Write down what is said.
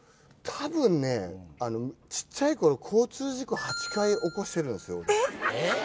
多分ねちっちゃい頃交通事故８回起こしてるんですよえっ？